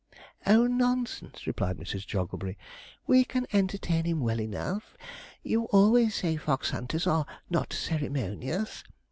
'Oh, nonsense,' replied Mrs. Jogglebury; 'we can entertain him well enough. You always say fox hunters are not ceremonious.